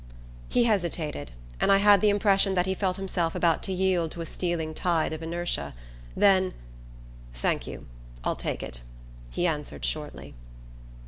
He hesitated, and I had the impression that he felt himself about to yield to a stealing tide of inertia; then, "Thank you I'll take it," he answered shortly.